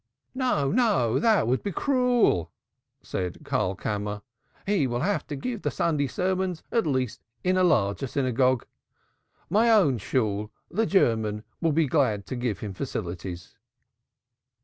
"No, no, that would be cruel," said Karlkammer. "He will have to give the Sunday sermons at least in a larger synagogue. My own Shool, the German, will be glad to give him facilities."